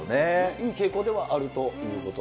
いい傾向ではあるということ